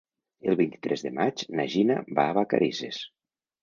El vint-i-tres de maig na Gina va a Vacarisses.